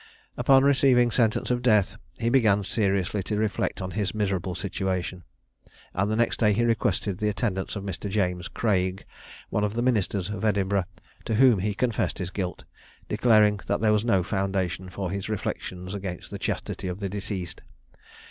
Upon receiving sentence of death he began seriously to reflect on his miserable situation, and the next day he requested the attendance of Mr. James Craig, one of the ministers of Edinburgh, to whom he confessed his guilt, declaring that there was no foundation for his reflections against the chastity of the deceased.